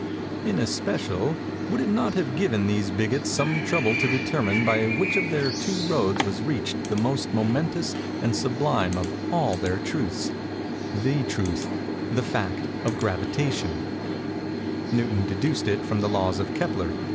In especial, would it not have given these bigots some trouble to determine by which of their two roads was reached the most momentous and sublime of all their truths—the truth—the fact of gravitation? Newton deduced it from the laws of Kepler.